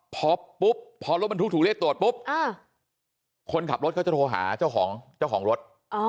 พอรถมันถูกถูกเรียกตรวจปุ๊บคนขับรถเขาจะโทรหาเจ้าของรถ